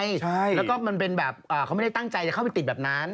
ใช่แล้วก็มันเป็นแบบเขาไม่ได้ตั้งใจจะเข้าไปติดแบบนั้น